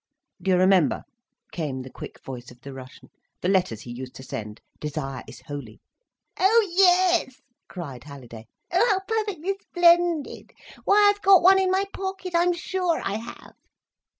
"Do you remember," came the quick voice of the Russian, "the letters he used to send. 'Desire is holy—'" "Oh yes!" cried Halliday. "Oh, how perfectly splendid. Why, I've got one in my pocket. I'm sure I have."